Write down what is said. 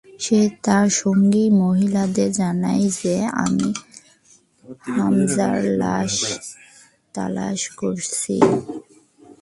সে তার সঙ্গী মহিলাদের জানায় যে, আমি হামযার লাশ তালাশ করছি।